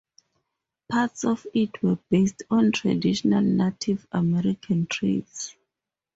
Parts of it were based on traditional Native American trails.